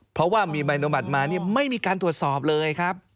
เพราะว่ามีใบโนบัติมาไม่มีการตรวจสอบเลยครับ